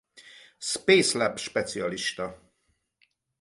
Spacelab specialista.